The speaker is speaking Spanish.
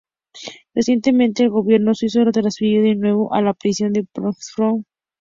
Recientemente el gobierno suizo lo transfirió de nuevo a la prisión de Pfäffikon.